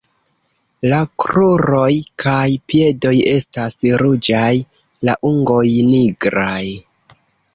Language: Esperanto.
La kruroj kaj piedoj estas ruĝaj, la ungoj nigraj.